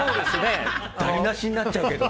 台なしになっちゃうけど。